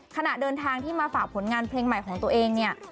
ขณะเดินทางที่มาฝากผลงานเพลงใหม่ของตัวเองเนี่ย